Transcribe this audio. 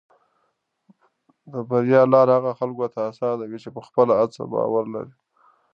د بریا لار هغه خلکو ته اسانه وي چې په خپله هڅه باور لري.